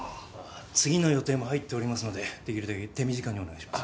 次の予定も入っておりますのでできるだけ手短にお願いします。